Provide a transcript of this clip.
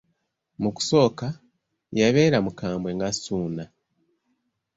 Mu kusooka, yabeera mukambwe nga Ssuuna.